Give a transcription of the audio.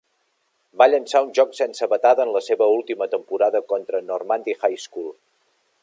Va llençar un joc sense batada en la seva última temporada contra Normandy High School.